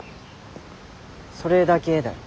それだけだよ。